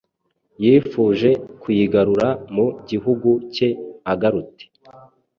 yifuje kuyigarura mu gihugu cye agarute